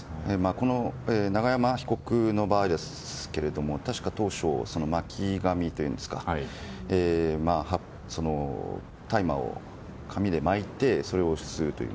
この永山被告の場合ですが確か当初、巻紙というんですか大麻を紙で巻いてそれを吸うという。